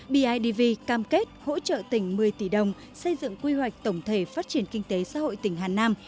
bidv cam kết hỗ trợ tỉnh một mươi tỷ đồng xây dựng quy hoạch tổng thể phát triển kinh tế xã hội tỉnh hà nam